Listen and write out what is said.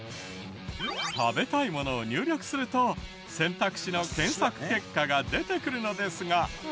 食べたいものを入力すると選択肢の検索結果が出てくるのですが。